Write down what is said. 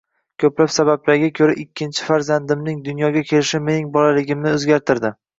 Ko‘plab sabablarga ko‘ra ikkinchi fanzandimning dunyoga kelishi mening onaligimni o‘zgartirdi.